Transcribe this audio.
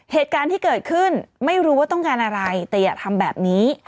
เหตุการณ์ที่เกิดขึ้นไม่รู้ว่าต้องการอะไรแต่อย่าทำแบบนี้